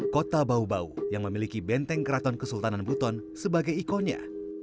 kota bau bau yang memiliki benteng keraton kesultanan buton sebagai ikonnya